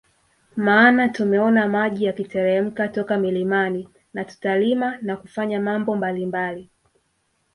Maana tumeona maji yakiteremka toka milimani na tutalima na kufanya mambo mbalimbali